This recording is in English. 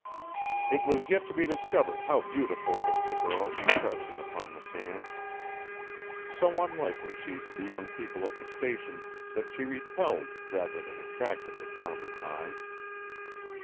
It was yet to be discovered how beautiful was the girl, crouching upon the sands. So unlike was she to the young people of the Station that she repelled, rather than attracted, the common eye.